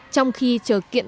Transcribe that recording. trong khi chờ kiện